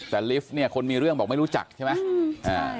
แต่ลิฟต์เนี่ยคนมีเรื่องบอกไม่รู้จักใช่ไหม